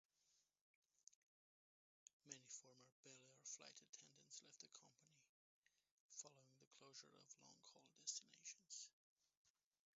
Many former Belair flight attendants left the company following the closure of long-haul destinations.